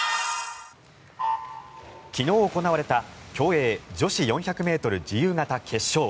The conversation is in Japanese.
昨日行われた競泳女子４００ｍ自由形決勝。